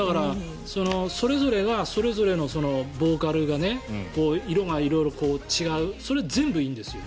それぞれがそれぞれのボーカルが色が色々違うそれが全部いいんですよ。